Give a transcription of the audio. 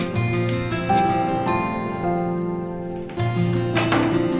ya kita beres beres dulu